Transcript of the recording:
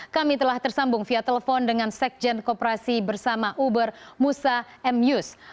kami telah tersambung via telepon dengan sekjen kooperasi bersama uber musa m yus